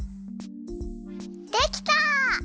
できた！